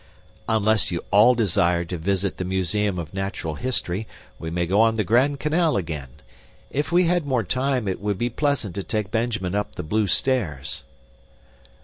"Unless you all desire to visit the Museum of Natural History, we may go on the grand canal again. If we had more time it would be pleasant to take Benjamin up the Blue Stairs."